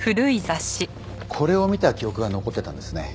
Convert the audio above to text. これを見た記憶が残ってたんですね。